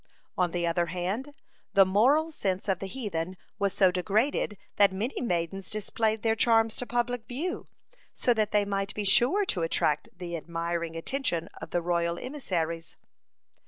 (54) On the other hand, the moral sense of the heathen was so degraded that many maidens displayed their charms to public view, so that they might be sure to attract the admiring attention of the royal emissaries.